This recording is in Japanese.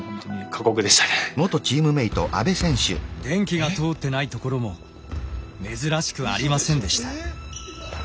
電気が通ってないところも珍しくありませんでした。